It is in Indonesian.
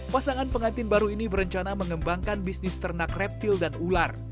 pasangan pengantin baru ini berencana mengembangkan bisnis ternak reptil dan ular